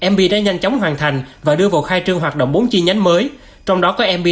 mb đã nhanh chóng hoàn thành và đưa vào khai trương hoạt động bốn chi nhánh mới trong đó có mb